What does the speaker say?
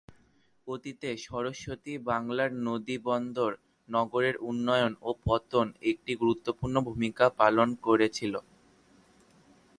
অতীতে সরস্বতী বাংলার নদী বন্দর নগরের উন্নয়ন ও পতন একটি গুরুত্বপূর্ণ ভূমিকা পালন করেছিল।